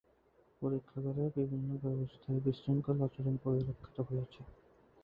পরীক্ষাগারে বিভিন্ন ব্যবস্থায় বিশৃঙ্খল আচরণ পরিলক্ষিত হয়েছে।